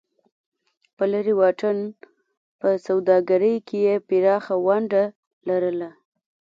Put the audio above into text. په لرې واټن په سوداګرۍ کې یې پراخه ونډه لرله.